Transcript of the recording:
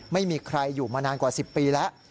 ไม่มีใครอยู่มานานกว่า๑๐ปีแล้ว